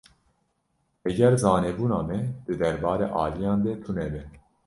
Heger zanebûna me di derbarê aliyan de tune be.